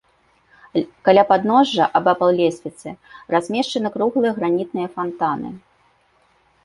Каля падножжа, абапал лесвіцы, размешчаны круглыя гранітныя фантаны.